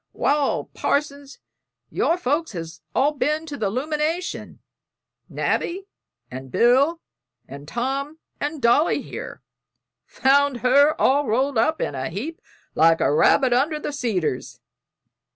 "Wal, Parson, your folks has all ben to the 'lumination Nabby and Bill and Tom and Dolly here; found her all rolled up in a heap like a rabbit under the cedars."